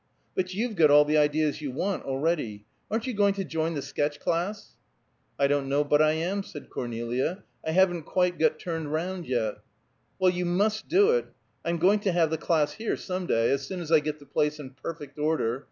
But you've got all the ideas you want, already. Aren't you going to join the sketch class?" "I don't know but I am," said Cornelia. "I haven't got quite turned round yet." "Well, you must do it. I'm going to have the class here, some day, as soon as I get the place in perfect order.